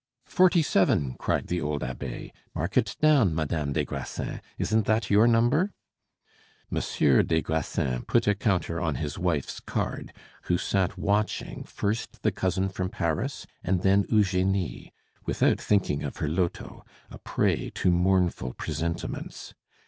"Forty seven!" cried the old abbe. "Mark it down, Madame des Grassins. Isn't that your number?" Monsieur des Grassins put a counter on his wife's card, who sat watching first the cousin from Paris and then Eugenie, without thinking of her loto, a prey to mournful presentiments.